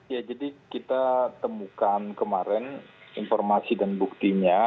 ya jadi kita temukan kemarin informasi dan buktinya